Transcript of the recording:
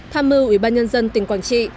tham mưu ủy ban nhân dân tỉnh quảng trị